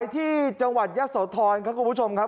ที่จังหวัดเยี้ยมสวทรนะครับคุณผู้ชมครับ